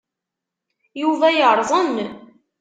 Yuba yerẓen.